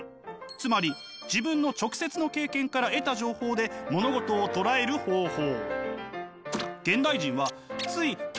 つまり自分の直接の経験から得た情報で物事をとらえる方法。